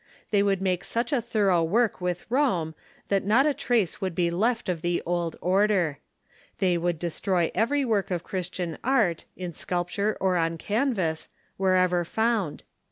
They would make such a thorough work with Rome that not a trace would be left of the old order. They would destroy every work of Christian art, in sculpture or on canvas, wher ever found.